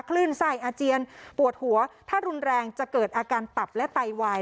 คลื่นไส้อาเจียนปวดหัวถ้ารุนแรงจะเกิดอาการตับและไตวาย